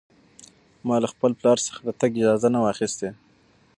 ما له خپل پلار څخه د تګ اجازه نه وه اخیستې.